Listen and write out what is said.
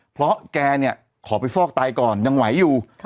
เพราะแกเนี่ยขอไปฟอกไตก่อนยังไหวอยู่